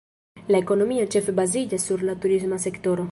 La ekonomio ĉefe baziĝas sur la turisma sektoro.